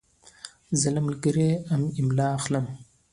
زه له ملګري املا اخلم.